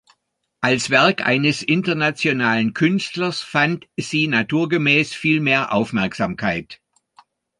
Als Werk eines internationalen Künstlers fand sie naturgemäß viel mehr Aufmerksamkeit.